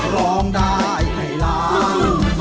ร้องได้ให้ล้าน